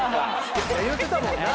言ってたもんな。